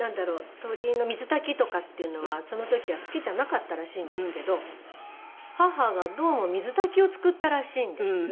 鶏の水炊きとかっていうのはその時は好きじゃなかったらしいんですけど母がどうも水炊きを作ったらしいんです。